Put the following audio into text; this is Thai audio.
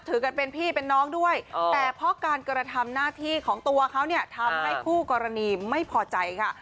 แต่พอการกระทำหน้าที่ของตัวเขาเนี่ยทำให้คู่กรณีไม่พอใจค่ะ